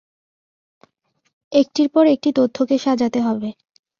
একটির পর একটি তথ্যকে সাজাতে হবে।